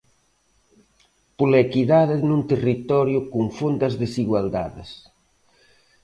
Pola equidade nun territorio con fondas desigualdades.